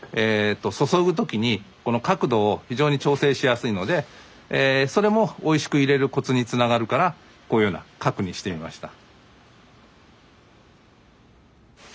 注ぐ時にこの角度を非常に調整しやすいのでそれもおいしく入れるコツにつながるからこういうような角にしてみました。